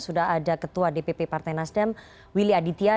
sudah ada ketua dpp partai nasdem willy aditya